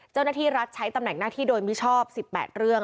เจ้าหน้าที่รัฐใช้ตำแหน่งหน้าที่โดยมิชอบ๑๘เรื่อง